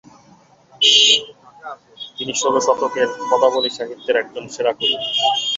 তিনি ষোল শতকের পদাবলী সাহিত্যের একজন সেরা কবি।